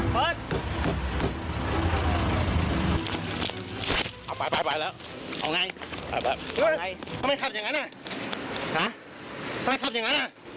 ขอโทษครับถ้าชนผมจะชนผม